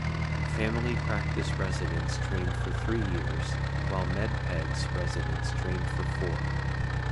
Family Practice residents train for three years, while Med-Peds residents train for four.